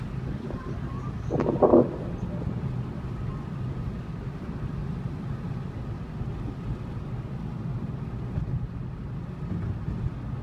Nilipoteza ufunguo wangu